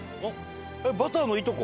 バターのいとこ。